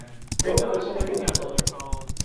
Tom es in lucto.